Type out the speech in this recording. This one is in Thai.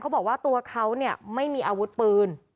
เขาบอกว่าตัวเขาไม่มีอาวุธปืน